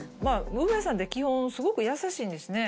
ウメさんって基本すごく優しいんですね。